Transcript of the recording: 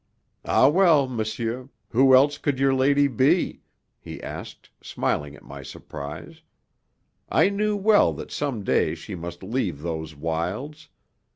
"Ah, well, monsieur, who else could your lady be?" he asked, smiling at my surprise. "I knew well that some day she must leave those wilds.